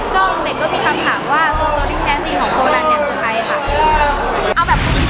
ก็เมฆย์ก็มีคำถามว่าตัวโตริงแท่นสิของโคนาสนายในไหนคะ